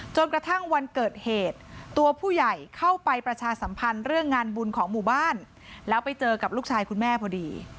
จนกระทั่งวันเกิดเหตุตัวผู้ใหญ่เข้าไปประชาสัมพันธ์เรื่องงานบุญของหมู่บ้านแล้วไปเจอกับลูกชายคุณแม่พอดี